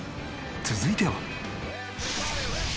続いては。